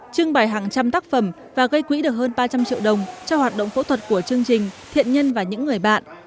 trưng bày hàng trăm tác phẩm và gây quỹ được hơn ba trăm linh triệu đồng cho hoạt động phẫu thuật của chương trình thiện nhân và những người bạn